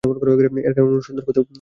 এর কারণ অনুসন্ধান করতে বলেছি আমি।